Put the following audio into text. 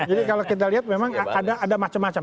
jadi kalau kita lihat memang ada macam macam